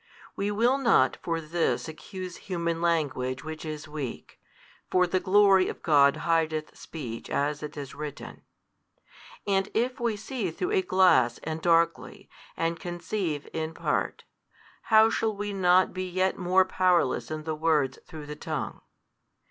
We will not for this accuse human language which is weak, for the glory of God hideth speech, as it is written. And if we see through a glass and darkly, and conceive in part, how shall we not be yet more powerless in the words through the tongue?